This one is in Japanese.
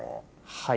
はい。